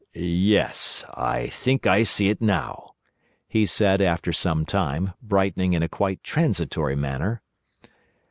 "Yes, I think I see it now," he said after some time, brightening in a quite transitory manner.